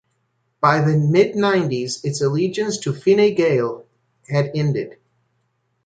By the mid-nineties its allegiance to Fine Gael had ended.